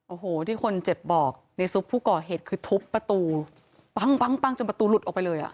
โอ้โหที่คนเจ็บบอกในซุปผู้ก่อเหตุคือทุบประตูปั้งปั้งปั้งจนประตูหลุดออกไปเลยอ่ะ